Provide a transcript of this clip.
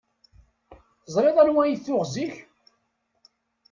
Teẓriḍ anwa i t-tuɣ zik?